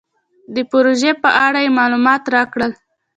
د پروژې په اړه یې مالومات راکړل.